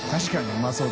うまそう。